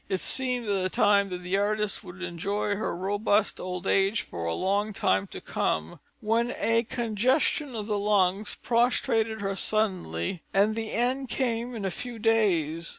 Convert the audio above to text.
It seemed at that time that the artist would enjoy her robust old age for a long time to come, when a congestion of the lungs prostrated her suddenly and the end came in a few days.